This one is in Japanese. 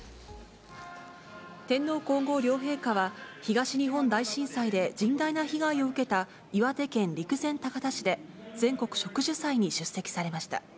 天皇皇后両陛下は、東日本大震災で甚大な被害を受けた、岩手県陸前高田市で、全国植樹祭に出席されました。